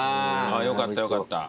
よかったよかった。